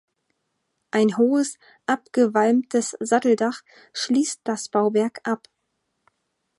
Ein hohes abgewalmtes Satteldach schließt das Bauwerk ab.